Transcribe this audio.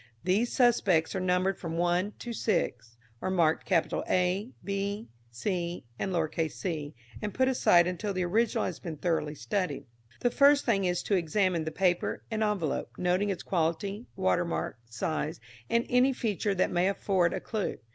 These Suspects are numbered from 1 to 6, or marked A, B, C, &c., and put aside until the Original has been thoroughly studied. The first thing is to examine the paper and envelope, noting its quality, watermark, size, and any feature that may afford a clue.